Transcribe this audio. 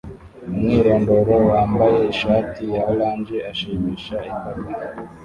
Umwirondoro wambaye ishati ya orange ashimisha imbaga